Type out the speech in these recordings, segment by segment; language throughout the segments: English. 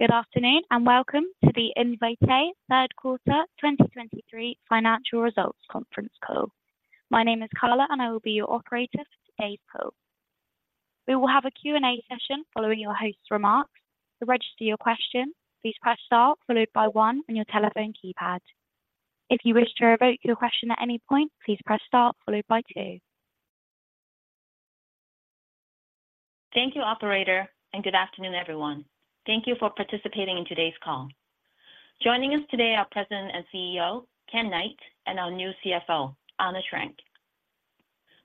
Good afternoon, and welcome to the Invitae Q3 2023 Financial Results conference call. My name is Carla, and I will be your operator for today's call. We will have a Q&A session following your host's remarks. To register your question, please press Star followed by one on your telephone keypad. If you wish to revoke your question at any point, please press Star followed by two. Thank you, operator, and good afternoon, everyone. Thank you for participating in today's call. Joining us today are President and CEO, Ken Knight, and our new CFO, Ana Schrank.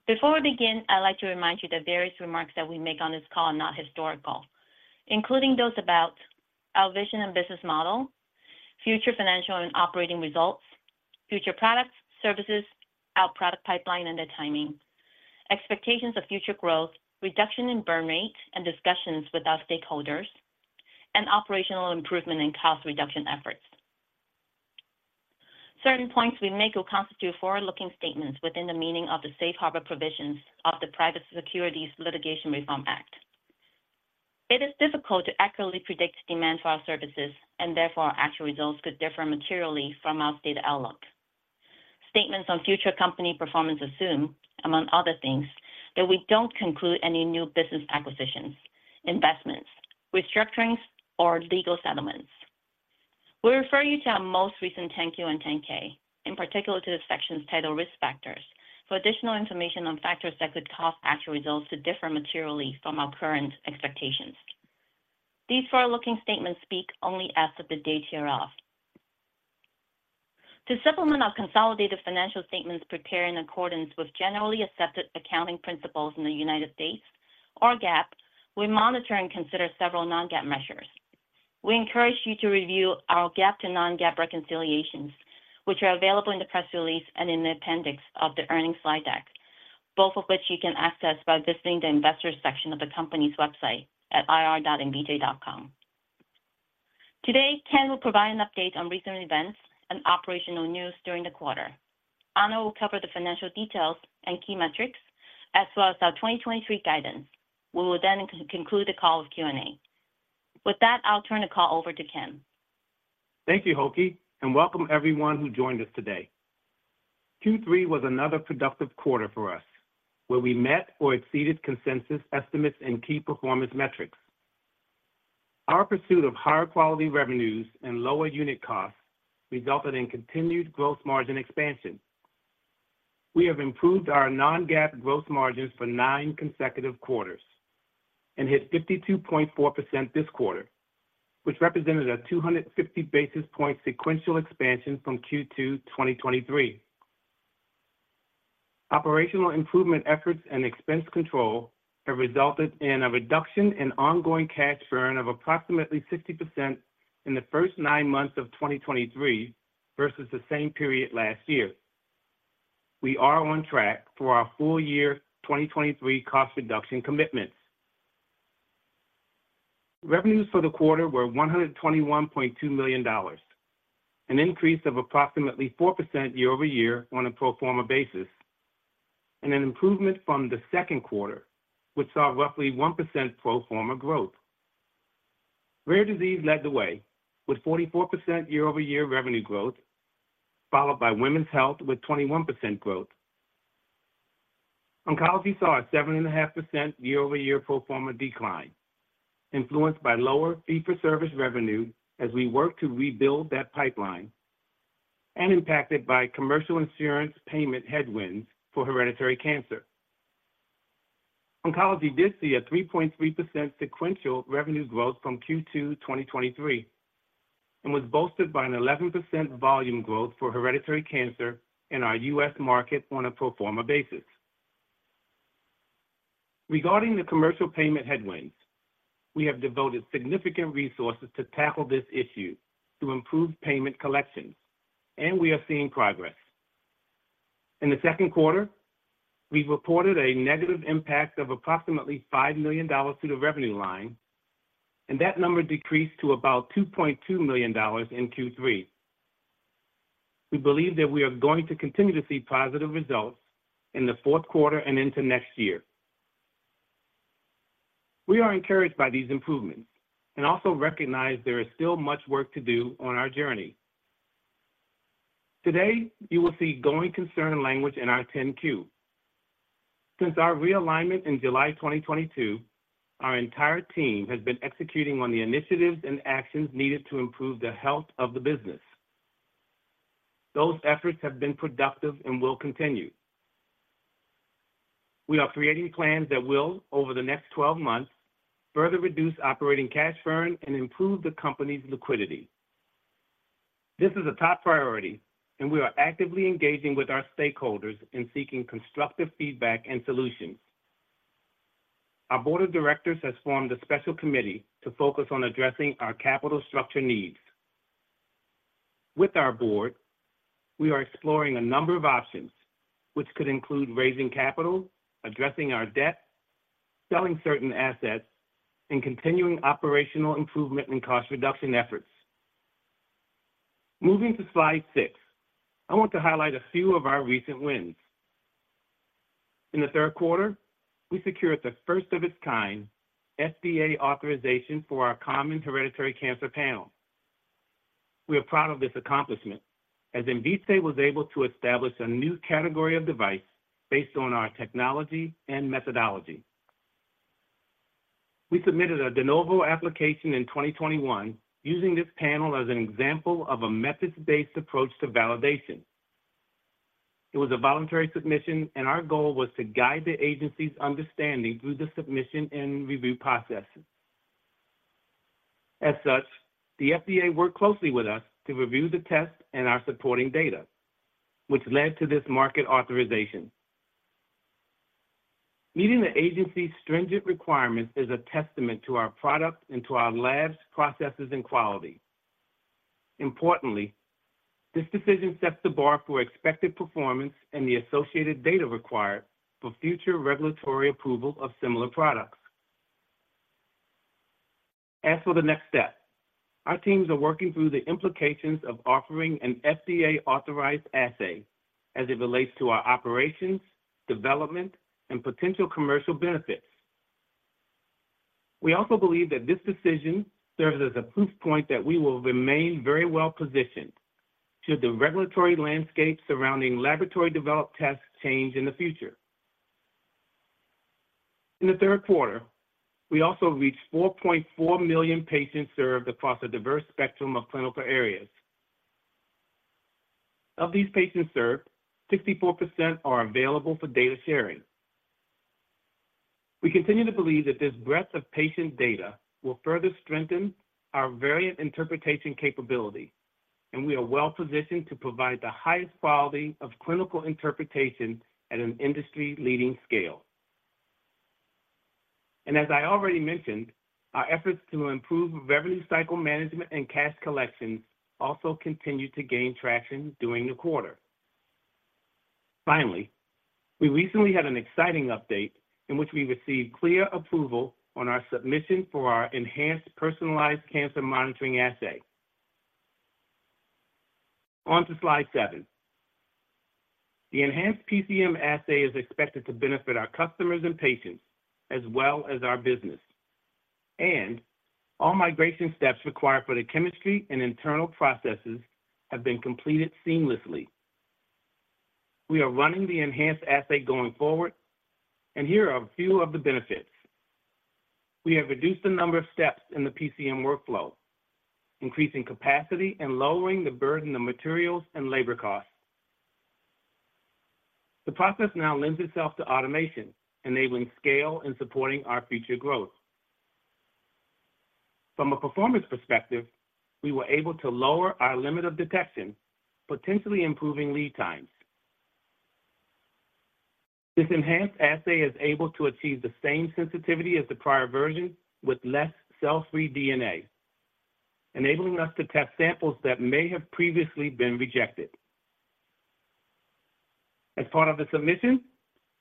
Before we begin, I'd like to remind you that various remarks that we make on this call are not historical, including those about our vision and business model, future financial and operating results, future products, services, our product pipeline, and the timing. Expectations of future growth, reduction in burn rate and discussions with our stakeholders, and operational improvement and cost reduction efforts. Certain points we make will constitute forward-looking statements within the meaning of the Safe Harbor Provisions of the Private Securities Litigation Reform Act. It is difficult to accurately predict demand for our services, and therefore, our actual results could differ materially from our stated outlook. Statements on future company performance assume, among other things, that we don't conclude any new business acquisitions, investments, restructurings, or legal settlements. We refer you to our most recent 10-Q and 10-K, in particular to the sections titled Risk Factors, for additional information on factors that could cause actual results to differ materially from our current expectations. These forward-looking statements speak only as of the date hereof. To supplement our consolidated financial statements prepared in accordance with Generally Accepted Accounting Principles in the United States, or GAAP, we monitor and consider several non-GAAP measures. We encourage you to review our GAAP to non-GAAP reconciliations, which are available in the press release and in the appendix of the earnings slide deck, both of which you can access by visiting the investors section of the company's website at ir.invitae.com. Today, Ken will provide an update on recent events and operational news during the quarter. Ana will cover the financial details and key metrics, as well as our 2023 guidance. We will then conclude the call with Q&A. With that, I'll turn the call over to Ken. Thank you, Hoki, and welcome everyone who joined us today. Q3 was another productive quarter for us, where we met or exceeded consensus estimates and key performance metrics. Our pursuit of higher quality revenues and lower unit costs resulted in continued gross margin expansion. We have improved our non-GAAP gross margins for 9 consecutive quarters and hit 52.4% this quarter, which represented a 250 basis point sequential expansion from Q2 2023. Operational improvement efforts and expense control have resulted in a reduction in ongoing cash burn of approximately 60% in the first 9 months of 2023 versus the same period last year. We are on track for our full year 2023 cost reduction commitments. Revenues for the quarter were $121.2 million, an increase of approximately 4% year-over-year on a pro forma basis, and an improvement from the Q2, which saw roughly 1% pro forma growth. Rare disease led the way with 44% year-over-year revenue growth, followed by women's health with 21% growth. Oncology saw a 7.5% year-over-year pro forma decline, influenced by lower fee-for-service revenue as we work to rebuild that pipeline and impacted by commercial insurance payment headwinds for hereditary cancer. Oncology did see a 3.3% sequential revenue growth from Q2 2023 and was boosted by an 11% volume growth for hereditary cancer in our U.S. market on a pro forma basis. Regarding the commercial payment headwinds, we have devoted significant resources to tackle this issue to improve payment collections, and we are seeing progress. In the Q2, we reported a negative impact of approximately $5 million to the revenue line, and that number decreased to about $2.2 million in Q3. We believe that we are going to continue to see positive results in the Q4 and into next year. We are encouraged by these improvements and also recognize there is still much work to do on our journey. Today, you will see going concern language in our 10-Q. Since our realignment in July 2022, our entire team has been executing on the initiatives and actions needed to improve the health of the business. Those efforts have been productive and will continue. We are creating plans that will, over the next 12 months, further reduce operating cash burn and improve the company's liquidity. This is a top priority, and we are actively engaging with our stakeholders in seeking constructive feedback and solutions. Our board of directors has formed a special committee to focus on addressing our capital structure needs. With our board, we are exploring a number of options which could include raising capital, addressing our debt, selling certain assets, and continuing operational improvement and cost reduction efforts. Moving to slide 6, I want to highlight a few of our recent wins. In the Q3, we secured the first of its kind, FDA authorization for our common hereditary cancer panel. We are proud of this accomplishment, as Invitae was able to establish a new category of device based on our technology and methodology. We submitted a de novo application in 2021, using this panel as an example of a methods-based approach to validation. It was a voluntary submission, and our goal was to guide the agency's understanding through the submission and review process. As such, the FDA worked closely with us to review the test and our supporting data, which led to this market authorization. Meeting the agency's stringent requirements is a testament to our product and to our lab's processes and quality. Importantly, this decision sets the bar for expected performance and the associated data required for future regulatory approval of similar products. As for the next step, our teams are working through the implications of offering an FDA-authorized assay as it relates to our operations, development, and potential commercial benefits. We also believe that this decision serves as a proof point that we will remain very well-positioned should the regulatory landscape surrounding laboratory-developed tests change in the future. In the Q3, we also reached 4.4 million patients served across a diverse spectrum of clinical areas. Of these patients served, 64% are available for data sharing. We continue to believe that this breadth of patient data will further strengthen our Variant Interpretation capability, and we are well positioned to provide the highest quality of clinical interpretation at an industry-leading scale. And as I already mentioned, our efforts to improve Revenue Cycle Management and cash collection also continued to gain traction during the quarter. Finally, we recently had an exciting update in which we received clear approval on our submission for our enhanced Personalized Cancer Monitoring assay. On to slide seven. The enhanced PCM assay is expected to benefit our customers and patients, as well as our business, and all migration steps required for the chemistry and internal processes have been completed seamlessly. We are running the enhanced assay going forward, and here are a few of the benefits. We have reduced the number of steps in the PCM workflow, increasing capacity and lowering the burden of materials and labor costs. The process now lends itself to automation, enabling scale and supporting our future growth. From a performance perspective, we were able to lower our limit of detection, potentially improving lead times. This enhanced assay is able to achieve the same sensitivity as the prior version with less cell-free DNA, enabling us to test samples that may have previously been rejected. As part of the submission,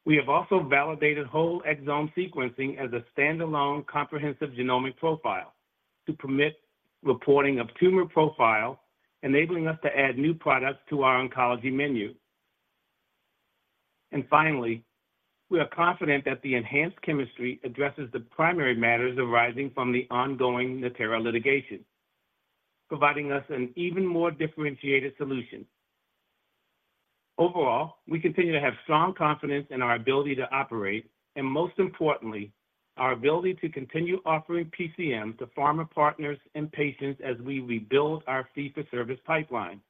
we have also validated whole exome sequencing as a standalone comprehensive genomic profile to permit reporting of tumor profile, enabling us to add new products to our oncology menu. And finally, we are confident that the enhanced chemistry addresses the primary matters arising from the ongoing Natera litigation, providing us an even more differentiated solution. Overall, we continue to have strong confidence in our ability to operate and, most importantly, our ability to continue offering PCM to pharma partners and patients as we rebuild our fee-for-service pipeline.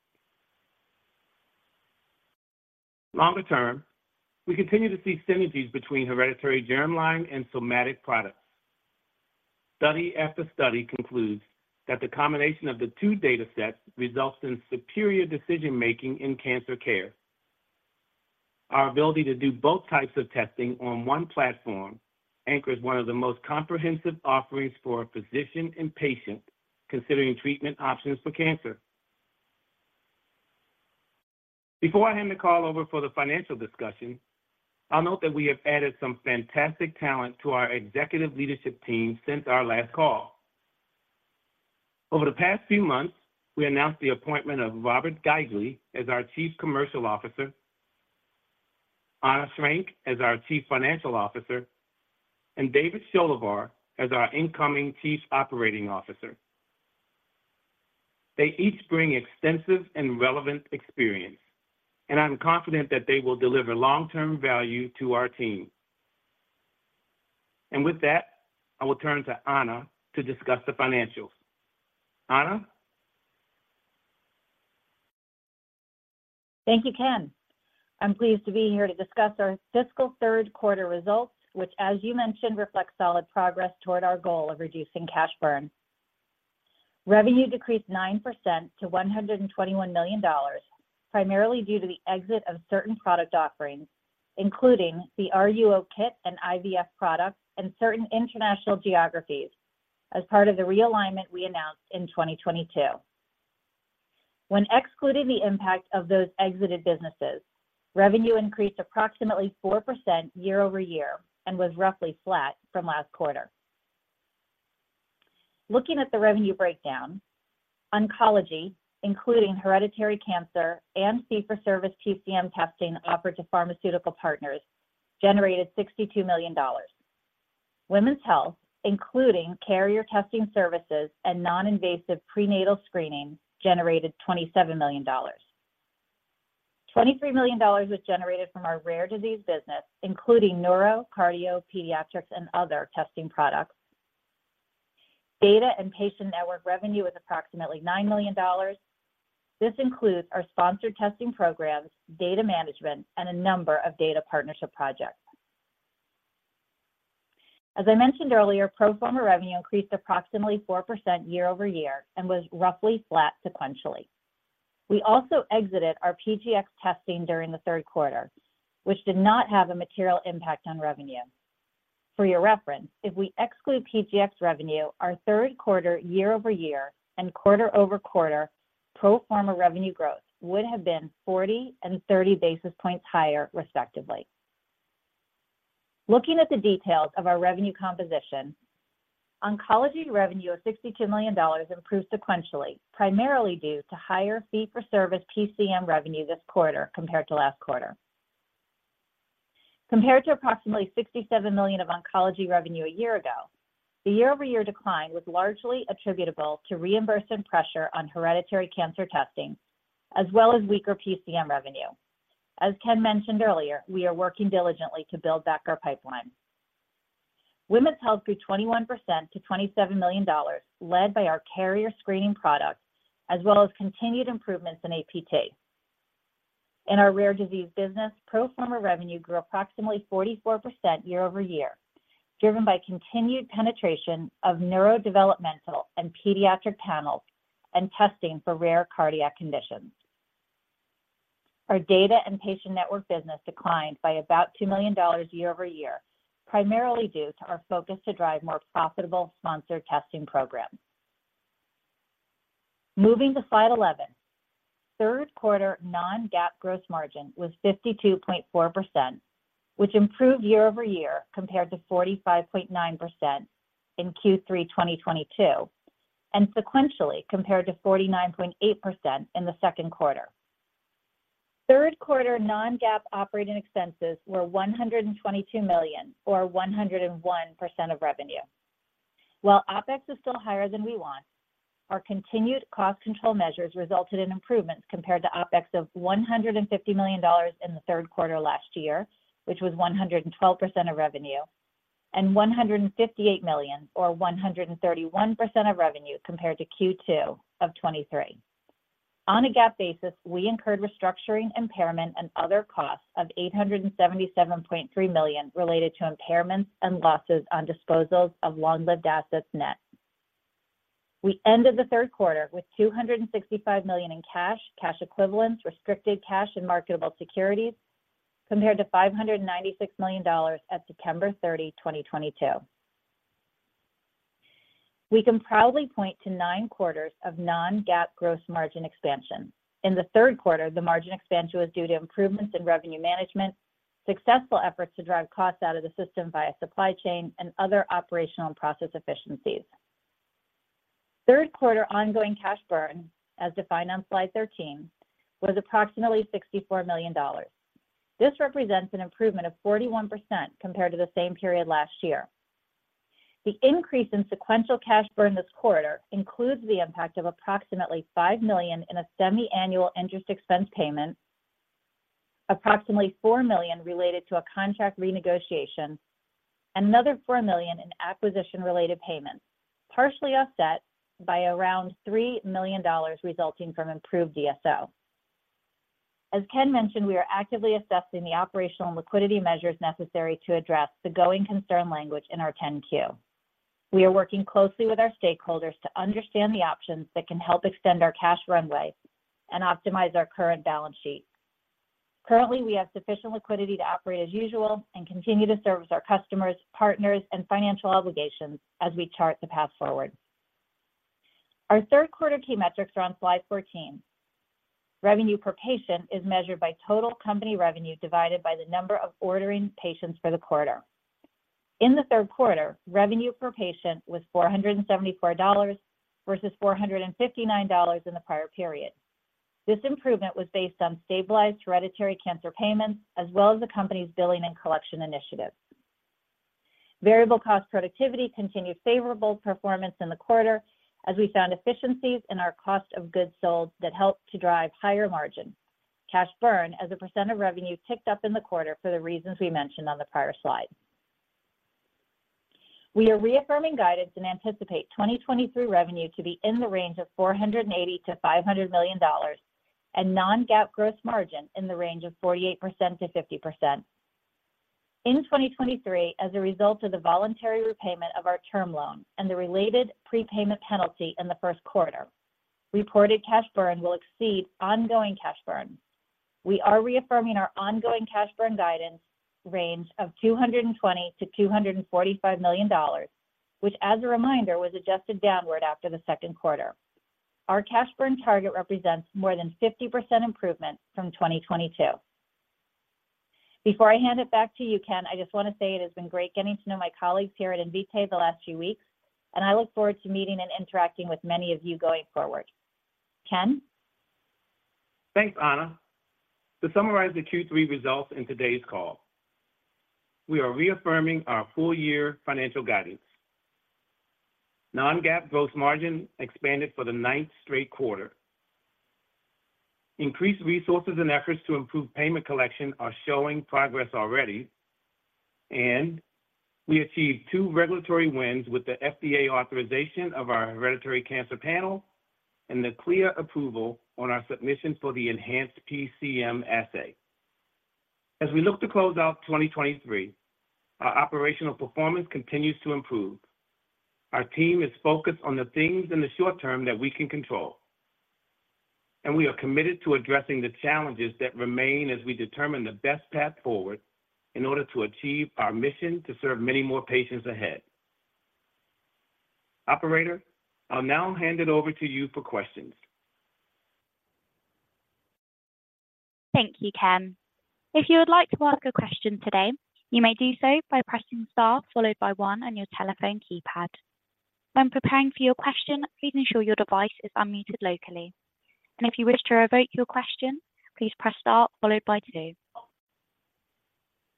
Longer term, we continue to see synergies between hereditary germline and somatic products. Study after study concludes that the combination of the two datasets results in superior decision-making in cancer care. Our ability to do both types of testing on one platform anchors one of the most comprehensive offerings for a physician and patient considering treatment options for cancer. Before I hand the call over for the financial discussion, I'll note that we have added some fantastic talent to our executive leadership team since our last call. Over the past few months, we announced the appointment of Robert Guigley as our Chief Commercial Officer, Ana Schrank as our Chief Financial Officer, and David Sholehvar as our incoming Chief Operating Officer. They each bring extensive and relevant experience, and I'm confident that they will deliver long-term value to our team. And with that, I will turn to Ana to discuss the financials. Ana? Thank you, Ken. I'm pleased to be here to discuss our fiscal Q3 results, which, as you mentioned, reflect solid progress toward our goal of reducing cash burn. Revenue decreased 9% to $121 million, primarily due to the exit of certain product offerings, including the RUO kit and IVF products and certain international geographies as part of the realignment we announced in 2022. When excluding the impact of those exited businesses, revenue increased approximately 4% year-over-year and was roughly flat from last quarter.... Looking at the revenue breakdown, oncology, including hereditary cancer and fee-for-service PCM testing offered to pharmaceutical partners, generated $62 million. Women's health, including carrier testing services and non-invasive prenatal screening, generated $27 million. $23 million was generated from our rare disease business, including neuro, cardio, pediatrics, and other testing products. Data and patient network revenue was approximately $9 million. This includes our sponsored testing programs, data management, and a number of data partnership projects. As I mentioned earlier, pro forma revenue increased approximately 4% year-over-year and was roughly flat sequentially. We also exited our PGX testing during the Q3, which did not have a material impact on revenue. For your reference, if we exclude PGX revenue, our Q3, year-over-year and quarter-over-quarter pro forma revenue growth would have been 40 and 30 basis points higher, respectively. Looking at the details of our revenue composition, oncology revenue of $62 million improved sequentially, primarily due to higher fee-for-service PCM revenue this quarter compared to last quarter. Compared to approximately $67 million of oncology revenue a year ago, the year-over-year decline was largely attributable to reimbursement pressure on hereditary cancer testing, as well as weaker PCM revenue. As Ken mentioned earlier, we are working diligently to build back our pipeline. Women's health grew 21% to $27 million, led by our carrier screening products, as well as continued improvements in APT. In our rare disease business, pro forma revenue grew approximately 44% year-over-year, driven by continued penetration of neurodevelopmental and pediatric panels and testing for rare cardiac conditions. Our data and patient network business declined by about $2 million year-over-year, primarily due to our focus to drive more profitable sponsored testing programs. Moving to slide 11, Q3 non-GAAP gross margin was 52.4%, which improved year-over-year compared to 45.9% in Q3 2022, and sequentially compared to 49.8% in the Q2. Q3 non-GAAP operating expenses were $122 million, or 101% of revenue. While OpEx is still higher than we want, our continued cost control measures resulted in improvements compared to OpEx of $150 million in the Q3 last year, which was 112% of revenue, and 158 million, or 131% of revenue compared to Q2 of 2023. On a GAAP basis, we incurred restructuring, impairment, and other costs of $877.3 million related to impairments and losses on disposals of long-lived assets net. We ended the Q3 with $265 million in cash, cash equivalents, restricted cash, and marketable securities, compared to $596 million at September 30, 2022. We can proudly point to 9 quarters of Non-GAAP gross margin expansion. In the Q3, the margin expansion was due to improvements in revenue management, successful efforts to drive costs out of the system via supply chain, and other operational and process efficiencies. Q3 ongoing cash burn, as defined on slide 13, was approximately $64 million. This represents an improvement of 41% compared to the same period last year. The increase in sequential cash burn this quarter includes the impact of approximately $5 million in a semi-annual interest expense payment, approximately $4 million related to a contract renegotiation, and another $4 million in acquisition-related payments, partially offset by around $3 million resulting from improved DSO. As Ken mentioned, we are actively assessing the operational and liquidity measures necessary to address the going concern language in our 10-Q. We are working closely with our stakeholders to understand the options that can help extend our cash runway and optimize our current balance sheet. Currently, we have sufficient liquidity to operate as usual and continue to service our customers, partners, and financial obligations as we chart the path forward. Our Q3 key metrics are on slide 14. Revenue per patient is measured by total company revenue divided by the number of ordering patients for the quarter. In the Q3, revenue per patient was $474, versus $459 in the prior period. This improvement was based on stabilized hereditary cancer payments, as well as the company's billing and collection initiatives. Variable cost productivity continued favorable performance in the quarter as we found efficiencies in our cost of goods sold that helped to drive higher margin. Cash burn as a percent of revenue ticked up in the quarter for the reasons we mentioned on the prior slide. We are reaffirming guidance and anticipate 2023 revenue to be in the range of $480-500 million, and Non-GAAP gross margin in the range of 48%-50%. In 2023, as a result of the voluntary repayment of our term loan and the related prepayment penalty in the Q1, reported cash burn will exceed ongoing cash burn. We are reaffirming our ongoing cash burn guidance range of $220-245 million, which, as a reminder, was adjusted downward after the Q2. Our cash burn target represents more than 50% improvement from 2022. Before I hand it back to you, Ken, I just want to say it has been great getting to know my colleagues here at Invitae the last few weeks, and I look forward to meeting and interacting with many of you going forward. Ken? Thanks, Ana. To summarize the Q3 results in today's call, we are reaffirming our full year financial guidance. Non-GAAP gross margin expanded for the ninth straight quarter. Increased resources and efforts to improve payment collection are showing progress already, and we achieved 2 regulatory wins with the FDA authorization of our hereditary cancer panel and the clear approval on our submission for the enhanced PCM assay. As we look to close out 2023, our operational performance continues to improve. Our team is focused on the things in the short term that we can control, and we are committed to addressing the challenges that remain as we determine the best path forward in order to achieve our mission to serve many more patients ahead. Operator, I'll now hand it over to you for questions. Thank you, Ken. If you would like to ask a question today, you may do so by pressing star followed by one on your telephone keypad. When preparing for your question, please ensure your device is unmuted locally. If you wish to revoke your question, please press star followed by two.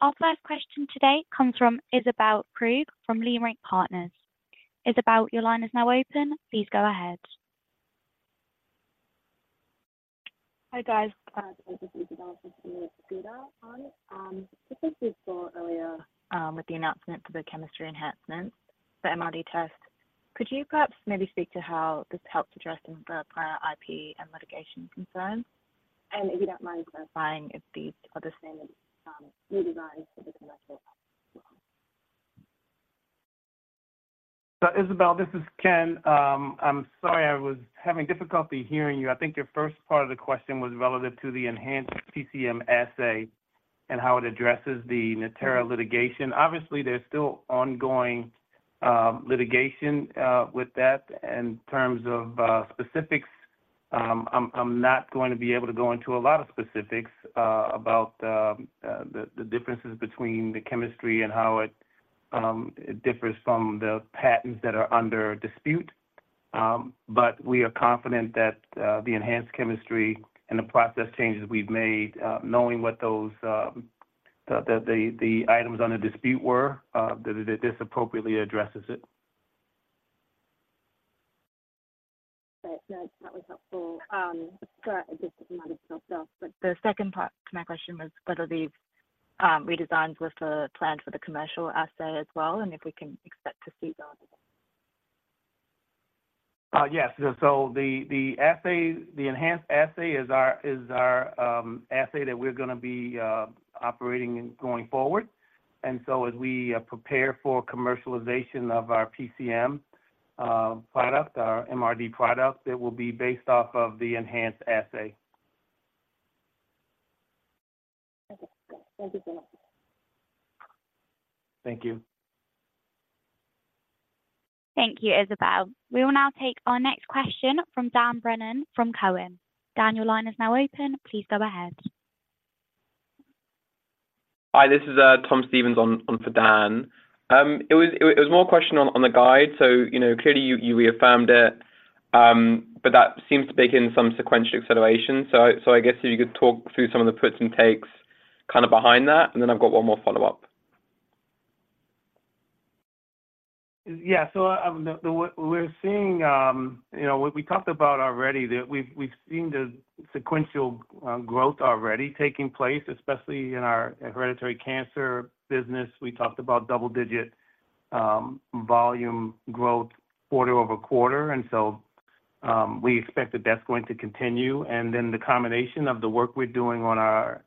Our first question today comes from Isabelle Krug from Leerink Partners. Isabelle, your line is now open. Please go ahead. Hi, guys, this is Isabelle from Leerink. I think we saw earlier, with the announcement for the chemistry enhancements, the MRD test, could you perhaps maybe speak to how this helps address the prior IP and litigation concerns? And if you don't mind clarifying if these are the same, redesigned for the commercial? So Isabelle, this is Ken. I'm sorry, I was having difficulty hearing you. I think your first part of the question was relative to the enhanced PCM assay and how it addresses the Natera litigation. Obviously, there's still ongoing litigation with that. In terms of specifics, I'm not going to be able to go into a lot of specifics about the differences between the chemistry and how it differs from the patents that are under dispute. But we are confident that the enhanced chemistry and the process changes we've made, knowing what those items under dispute were, that this appropriately addresses it. Right. No, that was helpful. I guess it might have helped us. The second part to my question was whether these redesigns were planned for the commercial assay as well, and if we can expect to see those? Yes. So the assay, the enhanced assay is our assay that we're gonna be operating in going forward. And so as we prepare for commercialization of our PCM product, our MRD product, it will be based off of the enhanced assay. Okay. Thank you, Ken. Thank you. Thank you, Isabelle. We will now take our next question from Dan Brennan from Cowen. Dan, your line is now open. Please go ahead. Hi, this is Tom Stevens on for Dan. It was more a question on the guide. So, you know, clearly, you reaffirmed it, but that seems to bake in some sequential acceleration. So, I guess if you could talk through some of the puts and takes kind of behind that, and then I've got one more follow-up. Yeah. So, what we're seeing... You know, what we talked about already, that we've seen the sequential growth already taking place, especially in our hereditary cancer business. We talked about double-digit volume growth quarter-over-quarter, and so, we expect that that's going to continue. And then the combination of the work we're doing on our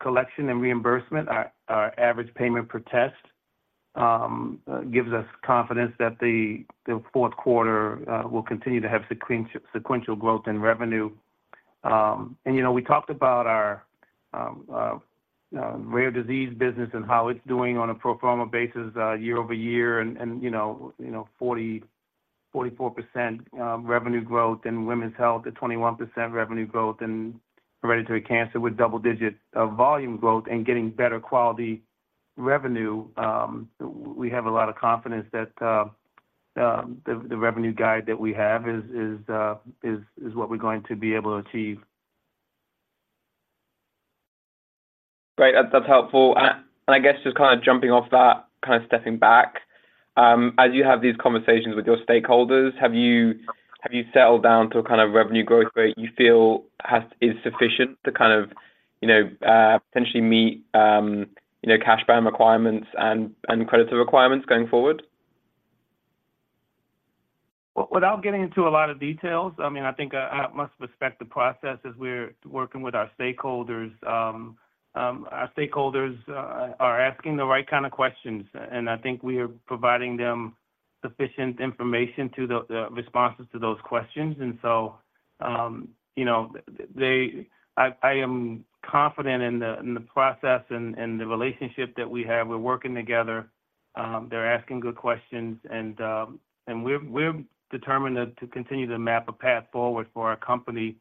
collection and reimbursement, our average payment per test, gives us confidence that the Q4 will continue to have sequential growth in revenue. And, you know, we talked about our rare disease business and how it's doing on a pro forma basis, year-over-year and, you know, 44% revenue growth in women's health, a 21% revenue growth in hereditary cancer with double-digit volume growth and getting better quality revenue. We have a lot of confidence that the revenue guide that we have is what we're going to be able to achieve. Great. That's helpful. And I guess just kind of jumping off that, kind of stepping back, as you have these conversations with your stakeholders, have you settled down to a kind of revenue growth rate you feel has, is sufficient to kind of, you know, potentially meet, you know, cash balance requirements and credits requirements going forward? Without getting into a lot of details, I mean, I think I must respect the process as we're working with our stakeholders. Our stakeholders are asking the right kind of questions, and I think we are providing them sufficient information to the responses to those questions. And so, you know, they. I am confident in the process and the relationship that we have. We're working together. They're asking good questions, and we're determined to continue to map a path forward for our company,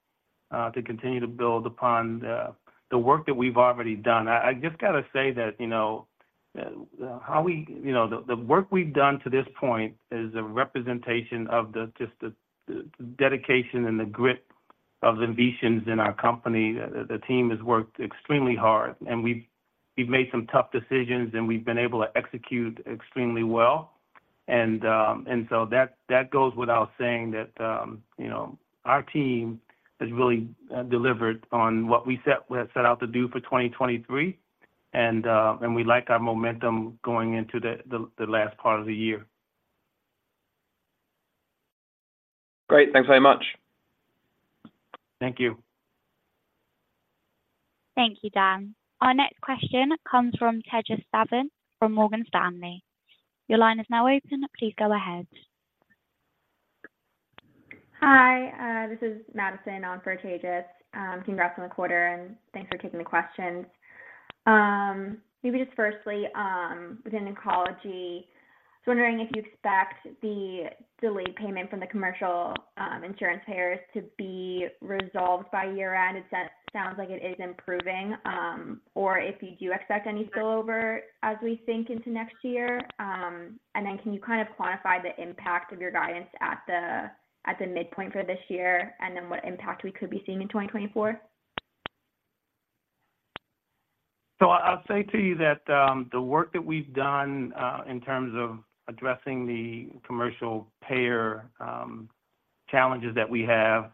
to continue to build upon the work that we've already done. I just gotta say that, you know, how we, you know, the work we've done to this point is a representation of just the dedication and the grit of Invitaeans in our company. The team has worked extremely hard, and we've made some tough decisions, and we've been able to execute extremely well. And so that goes without saying that, you know, our team has really delivered on what we had set out to do for 2023, and we like our momentum going into the last part of the year. Great. Thanks very much. Thank you. Thank you, Dan. Our next question comes from Tejas Savant, from Morgan Stanley. Your line is now open. Please go ahead. Hi, this is Madison on for Tejas. Congrats on the quarter, and thanks for taking the questions. Maybe just firstly, within oncology, so wondering if you expect the delayed payment from the commercial insurance payers to be resolved by year-end? It sounds like it is improving, or if you do expect any spillover as we sink into next year. And then can you kind of quantify the impact of your guidance at the midpoint for this year, and then what impact we could be seeing in 2024? So I'll say to you that the work that we've done in terms of addressing the commercial payer challenges that we have,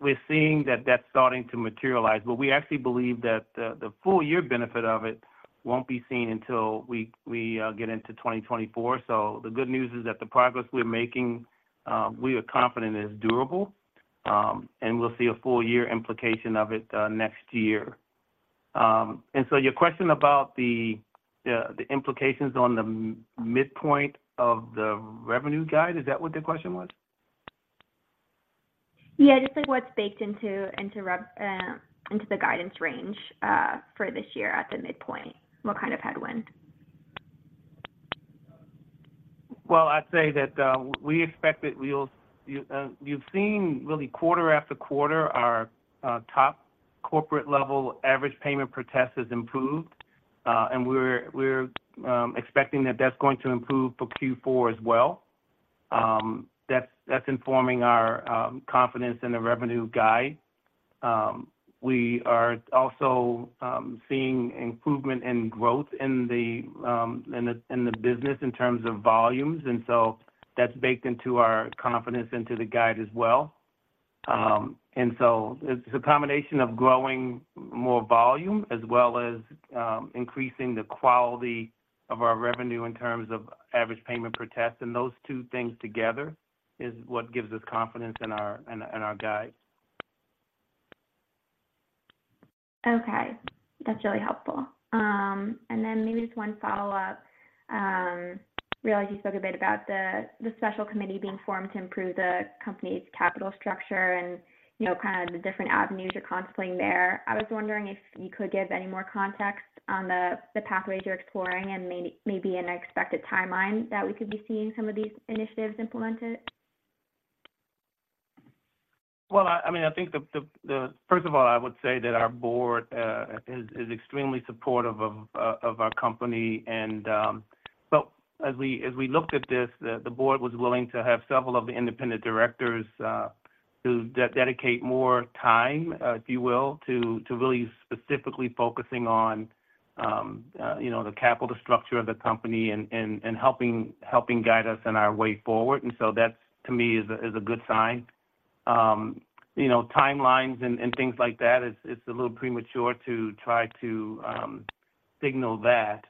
we're seeing that that's starting to materialize. But we actually believe that the full year benefit of it won't be seen until we get into 2024. So the good news is that the progress we're making, we are confident is durable, and we'll see a full year implication of it next year. And so your question about the implications on the midpoint of the revenue guide, is that what the question was? Yeah, just like what's baked into the guidance range for this year at the midpoint, what kind of headwind? Well, I'd say that we expect that we'll... You've seen really quarter after quarter, our top corporate level average payment per test has improved, and we're expecting that that's going to improve for Q4 as well. That's informing our confidence in the revenue guide. We are also seeing improvement in growth in the business in terms of volumes, and so that's baked into our confidence into the guide as well. And so it's a combination of growing more volume, as well as increasing the quality of our revenue in terms of average payment per test. And those two things together is what gives us confidence in our guide. Okay. That's really helpful. And then maybe just one follow-up. Realize you spoke a bit about the special committee being formed to improve the company's capital structure and, you know, kind of the different avenues you're contemplating there. I was wondering if you could give any more context on the pathways you're exploring and maybe an expected timeline that we could be seeing some of these initiatives implemented? Well, I mean, I think first of all, I would say that our board is extremely supportive of our company. And so as we looked at this, the board was willing to have several of the independent directors to dedicate more time, if you will, to really specifically focusing on, you know, the capital structure of the company and helping guide us in our way forward. And so that, to me, is a good sign. You know, timelines and things like that, it's a little premature to try to signal that,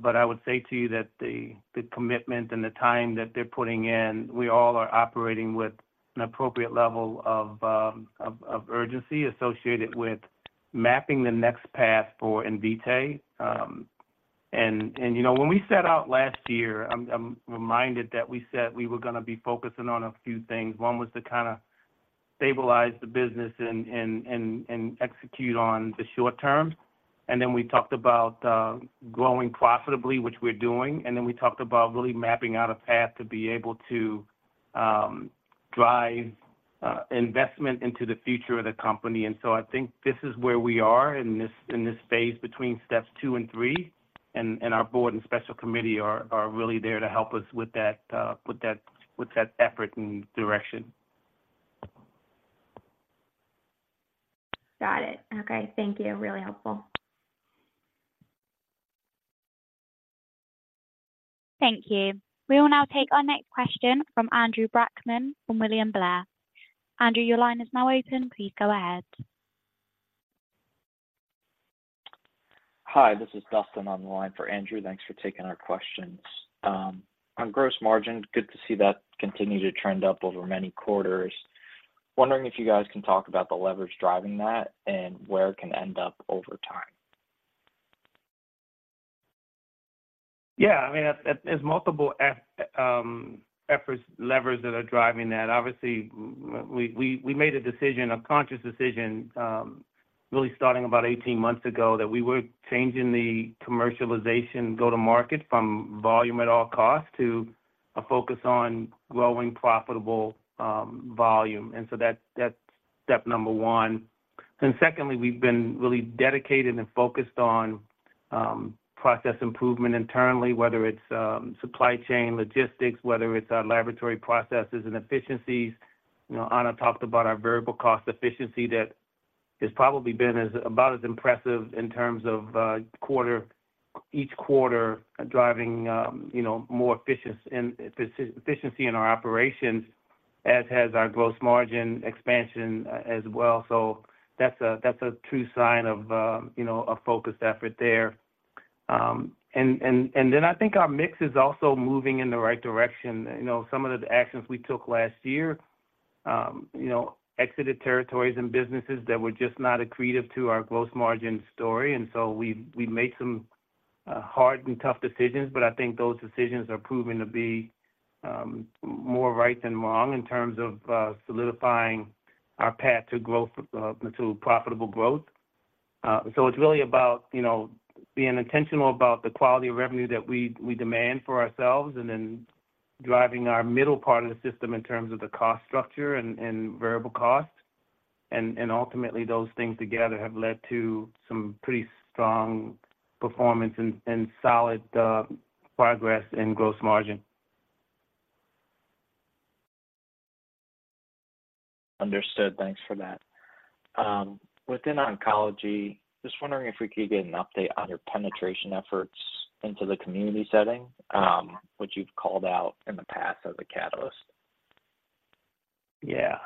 but I would say to you that the commitment and the time that they're putting in, we all are operating with an appropriate level of urgency associated with mapping the next path for Invitae. And you know, when we set out last year, I'm reminded that we said we were gonna be focusing on a few things. One was to kinda stabilize the business and execute on the short term. And then we talked about growing profitably, which we're doing, and then we talked about really mapping out a path to be able to drive investment into the future of the company. And so I think this is where we are in this phase between steps two and three, and our board and special committee are really there to help us with that effort and direction. Got it. Okay, thank you. Really helpful. Thank you. We will now take our next question from Andrew Brackmann, from William Blair. Andrew, your line is now open. Please go ahead. Hi, this is Dustin on the line for Andrew. Thanks for taking our questions. On gross margin, good to see that continue to trend up over many quarters. Wondering if you guys can talk about the leverage driving that and where it can end up over time? Yeah, I mean, there's multiple efforts, levers that are driving that. Obviously, we made a decision, a conscious decision, really starting about 18 months ago, that we were changing the commercialization go-to-market from volume at all costs to a focus on growing profitable volume. And so that's step number one. Then secondly, we've been really dedicated and focused on process improvement internally, whether it's supply chain, logistics, whether it's our laboratory processes and efficiencies. You know, Ana talked about our variable cost efficiency that has probably been about as impressive in terms of each quarter driving, you know, more efficient and efficiency in our operations, as has our gross margin expansion as well. So that's a true sign of, you know, a focused effort there. Then I think our mix is also moving in the right direction. You know, some of the actions we took last year, you know, exited territories and businesses that were just not accretive to our gross margin story, and so we made some hard and tough decisions, but I think those decisions are proving to be more right than wrong in terms of solidifying our path to growth to profitable growth. So it's really about, you know, being intentional about the quality of revenue that we demand for ourselves, and then driving our middle part of the system in terms of the cost structure and variable costs. And ultimately, those things together have led to some pretty strong performance and solid progress in gross margin. Understood. Thanks for that. Within oncology, just wondering if we could get an update on your penetration efforts into the community setting, which you've called out in the past as a catalyst? Yeah.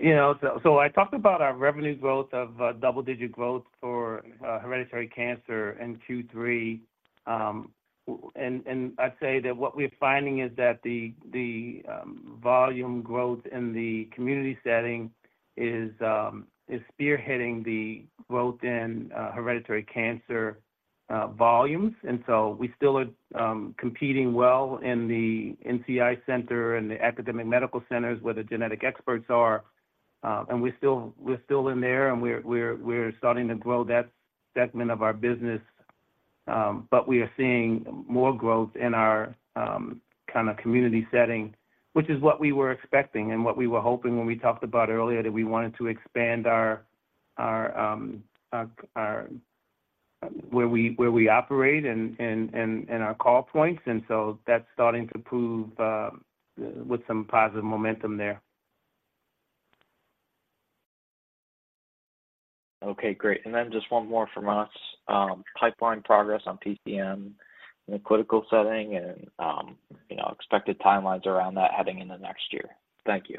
You know, so, so I talked about our revenue growth of, double-digit growth for, hereditary cancer in Q3. And, and I'd say that what we're finding is that the, the, volume growth in the community setting is, is spearheading the growth in, hereditary cancer, volumes. And so we still are, competing well in the NCI center and the academic medical centers where the genetic experts are. And we're still, we're still in there, and we're, we're, we're starting to grow that segment of our business. But we are seeing more growth in our, kind of community setting, which is what we were expecting and what we were hoping when we talked about earlier, that we wanted to expand our, our, our, our... where we, where we operate and, and, and, and our call points. That's starting to prove with some positive momentum there. Okay, great. And then just one more from us. Pipeline progress on PCM in a critical setting and, you know, expected timelines around that heading into next year. Thank you.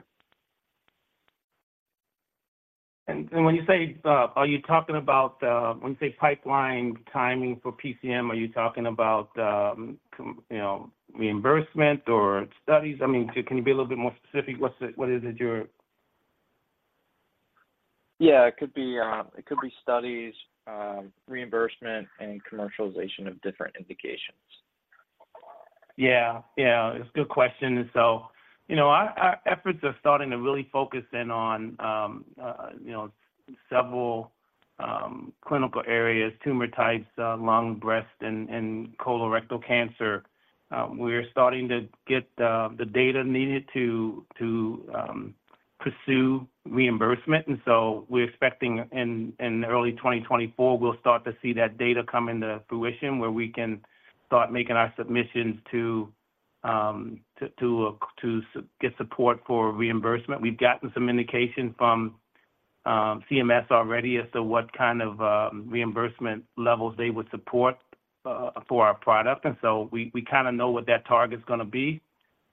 And, and when you say, are you talking about, when you say pipeline timing for PCM, are you talking about, you know, reimbursement or studies? I mean, can you be a little bit more specific? What's the-- what is it you're- Yeah, it could be studies, reimbursement, and commercialization of different indications. Yeah. Yeah, it's a good question. So, you know, our efforts are starting to really focus in on, you know, several clinical areas, tumor types, lung, breast, and colorectal cancer. We are starting to get the data needed to pursue reimbursement, and so we're expecting in early 2024, we'll start to see that data come into fruition, where we can start making our submissions to get support for reimbursement. We've gotten some indication from CMS already as to what kind of reimbursement levels they would support for our product, and so we kind of know what that target's gonna be.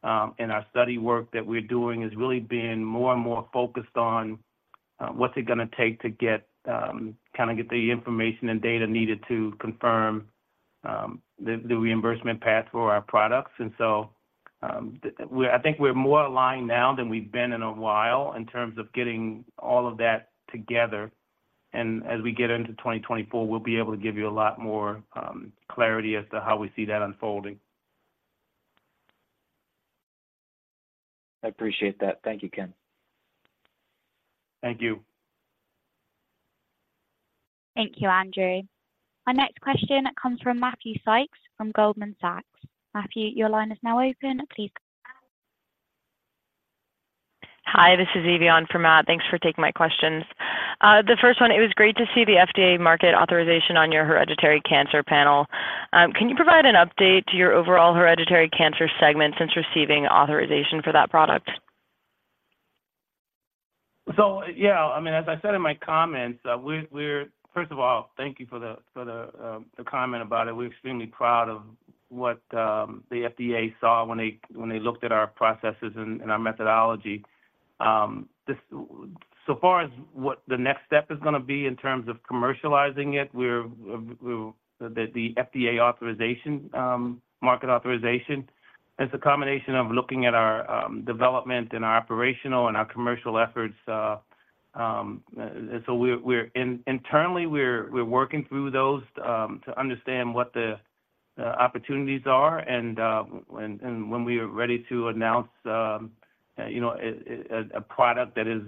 And our study work that we're doing is really being more and more focused on what's it gonna take to get kind of get the information and data needed to confirm the reimbursement path for our products. And so, I think we're more aligned now than we've been in a while in terms of getting all of that together. And as we get into 2024, we'll be able to give you a lot more clarity as to how we see that unfolding. I appreciate that. Thank you, Ken. Thank you. Thank you, Andrew. Our next question comes from Matthew Sykes from Goldman Sachs. Matthew, your line is now open. Please go ahead. Hi, this is Evie on for Matt. Thanks for taking my questions. The first one, it was great to see the FDA market authorization on your hereditary cancer panel. Can you provide an update to your overall hereditary cancer segment since receiving authorization for that product? So, yeah, I mean, as I said in my comments, first of all, thank you for the comment about it. We're extremely proud of what the FDA saw when they looked at our processes and our methodology. Just so far as what the next step is gonna be in terms of commercializing it, the FDA authorization, market authorization, it's a combination of looking at our development and our operational and our commercial efforts. And so we're internally working through those to understand what the opportunities are, and when we are ready to announce, you know, a product that is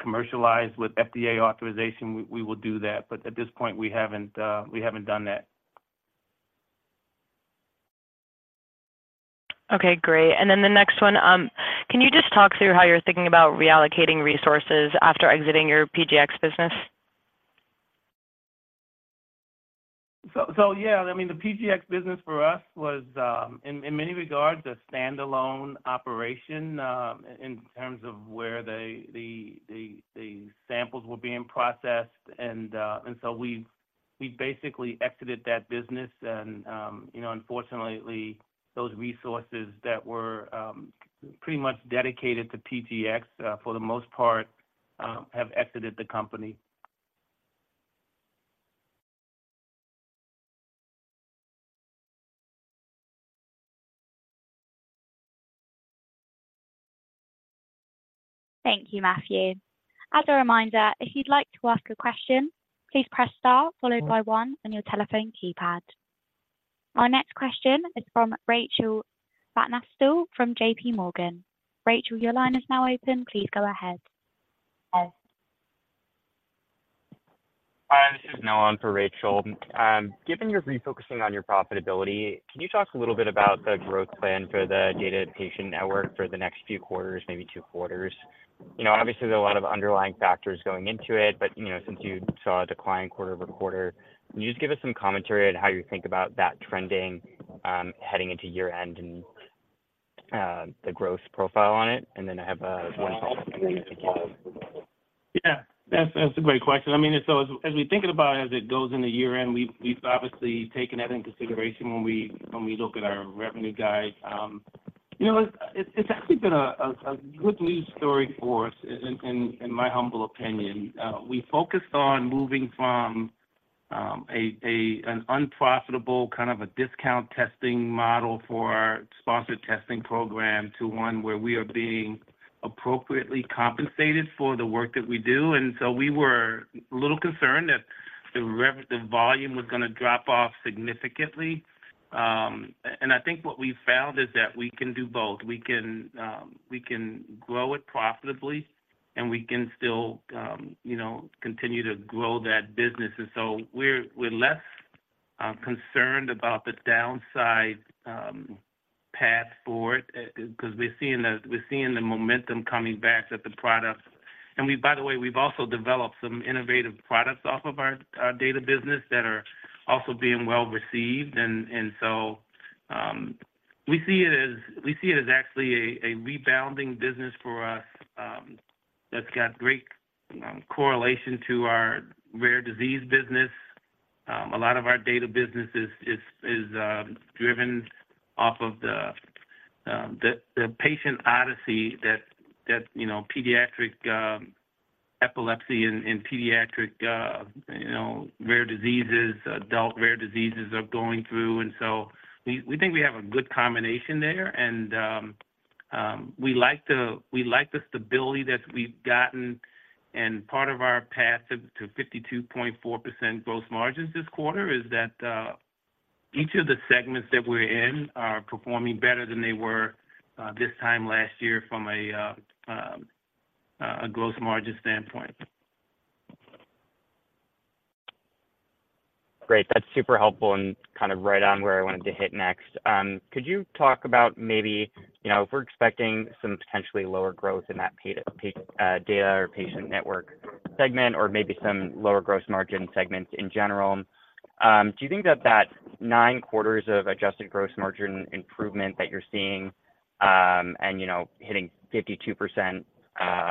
commercialized with FDA authorization, we will do that. But at this point, we haven't, we haven't done that. Okay, great. And then the next one, can you just talk through how you're thinking about reallocating resources after exiting your PGX business? So yeah, I mean, the PGX business for us was in many regards a standalone operation in terms of where the samples were being processed. So we've basically exited that business. You know, unfortunately, those resources that were pretty much dedicated to PGX for the most part have exited the company. Thank you, Matthew. As a reminder, if you'd like to ask a question, please press Star followed by One on your telephone keypad. Our next question is from Rachel Vatnsdal from J.P. Morgan. Rachel, your line is now open. Please go ahead. Hi, this is Noah on for Rachel. Given your refocusing on your profitability, can you talk a little bit about the growth plan for the data patient network for the next few quarters, maybe two quarters? You know, obviously, there are a lot of underlying factors going into it, but, you know, since you saw a decline quarter over quarter, can you just give us some commentary on how you think about that trending, heading into year-end and the growth profile on it? And then I have one question- Yeah, that's a great question. I mean, so as we think about it, as it goes into year-end, we've obviously taken that into consideration when we look at our revenue guide. You know, it's actually been a good lead story for us in my humble opinion. We focused on moving from an unprofitable, kind of a discount testing model for our sponsored testing program to one where we are being appropriately compensated for the work that we do. And so we were a little concerned that the volume was gonna drop off significantly. And I think what we found is that we can do both. We can grow it profitably, and we can still, you know, continue to grow that business. And so we're less concerned about the downside path forward, 'cause we're seeing the momentum coming back with the products. And, by the way, we've also developed some innovative products off of our data business that are also being well-received. And so we see it as actually a rebounding business for us, that's got great correlation to our rare disease business. A lot of our data business is driven off of the patient odyssey that, you know, pediatric epilepsy and pediatric, you know, rare diseases, adult rare diseases are going through. And so we think we have a good combination there, and we like the stability that we've gotten. Part of our path to 52.4% gross margins this quarter is that each of the segments that we're in are performing better than they were this time last year from a growth margin standpoint. Great. That's super helpful and kind of right on where I wanted to hit next. Could you talk about maybe, you know, if we're expecting some potentially lower growth in that paid data or patient network segment, or maybe some lower gross margin segments in general, do you think that that 9 quarters of adjusted gross margin improvement that you're seeing, and, you know, hitting 52%,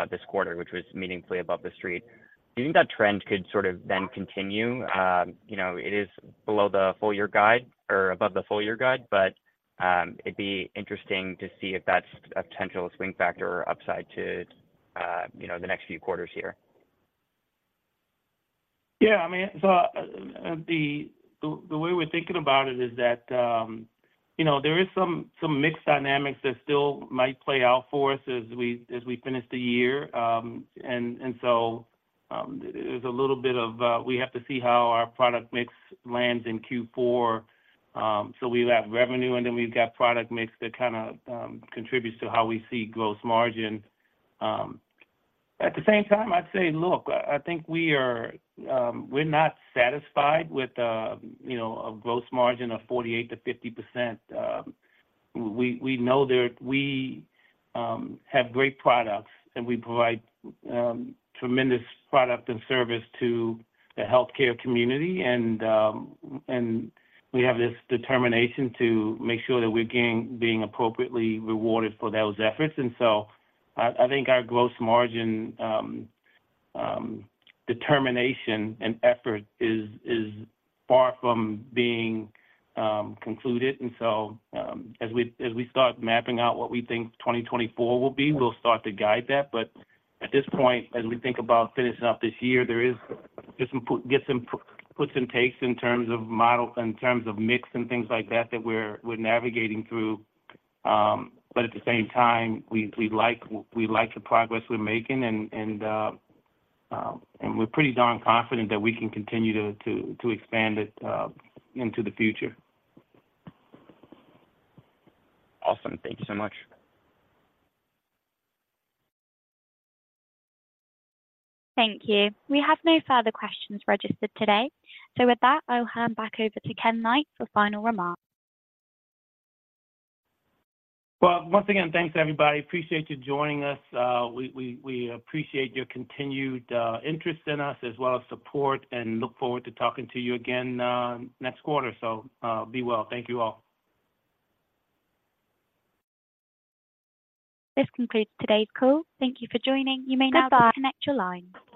this quarter, which was meaningfully above the street, do you think that trend could sort of then continue? You know, it is below the full year guide or above the full year guide, but it'd be interesting to see if that's a potential swing factor or upside to, you know, the next few quarters here. Yeah, I mean, so, the way we're thinking about it is that, you know, there is some mixed dynamics that still might play out for us as we finish the year. And so, there's a little bit of, we have to see how our product mix lands in Q4. So we've got revenue, and then we've got product mix that kinda contributes to how we see gross margin. At the same time, I'd say, look, I think we are, we're not satisfied with, you know, a gross margin of 48%-50%. We know that we have great products, and we provide tremendous product and service to the healthcare community, and we have this determination to make sure that we're being appropriately rewarded for those efforts. I think our gross margin determination and effort is far from being concluded. As we start mapping out what we think 2024 will be, we'll start to guide that. But at this point, as we think about finishing up this year, there are just some puts and takes in terms of mix and things like that that we're navigating through. But at the same time, we like the progress we're making, and we're pretty darn confident that we can continue to expand it into the future. Awesome. Thank you so much. Thank you. We have no further questions registered today. So with that, I'll hand back over to Ken Knight for final remarks. Well, once again, thanks, everybody. Appreciate you joining us. We appreciate your continued interest in us as well as support, and look forward to talking to you again next quarter or so. Be well. Thank you, all. This concludes today's call. Thank you for joining. You may now disconnect your line.